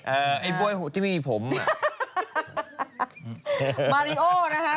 เออไอ้บ๊วยที่ไม่มีผมอะ